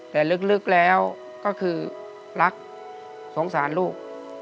แต่ลึกแล้วก็คือรักสงสารลูก